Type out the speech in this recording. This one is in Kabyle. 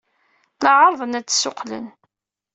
La ɛerrḍeɣ ad d-ssuqqleɣ.